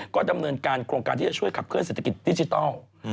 ก็ดำเนินการโครงการที่จะช่วยขับเคลื่อเศรษฐกิจดิจิทัล